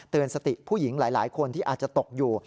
สติผู้หญิงหลายคนที่อาจจะตกอยู่